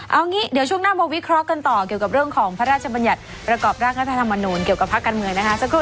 เอางี้ช่วงหน้าโมเวทย์คลอสกันต่อเกี่ยวกับเรื่องของพระราชบรรยัตรรากราชธรรมนูนเกี่ยวกับพระกัลเมืองนะครับ